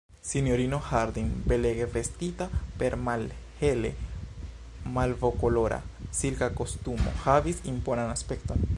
Sinjorino Harding, belege vestita per malhele malvokolora, silka kostumo, havis imponan aspekton.